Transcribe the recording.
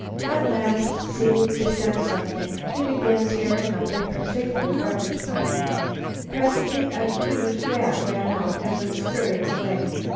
At last, seeming to scent something, he began tearing up a particular garbage pile. Presently a huge rat ran out and went scurrying away.